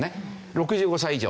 ６５歳以上。